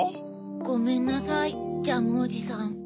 ごめんなさいジャムおじさん。